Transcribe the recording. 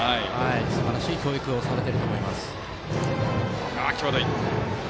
すばらしい教育をされていると思います。